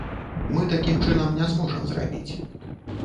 Мы такім чынам не зможам зрабіць.